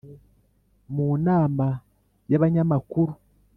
mu nama y' abanyamakuru